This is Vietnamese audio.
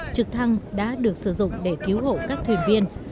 trực thăng đã được sử dụng để cứu hộ các thuyền viên